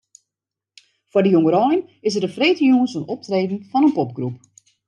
Foar de jongerein is der de freedtejûns in optreden fan in popgroep.